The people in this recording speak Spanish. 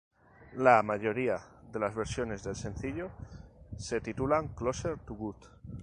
La mayoría de las versiones del sencillo se titulan "Closer to God".